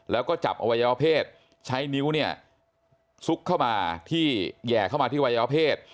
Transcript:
แล้วก็จับอวัยวเพศใช้นิ้วเนี่ยซุกเข้ามาที่แห่เข้ามาที่วัยวเพศ